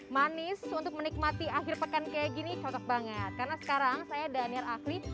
manis untuk menikmati akhir pekan kayak gini cocok banget karena sekarang saya daniel akhri